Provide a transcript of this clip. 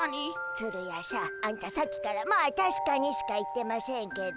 ツルヤしゃんあんたさっきから「まあたしかに」しか言ってませんけど。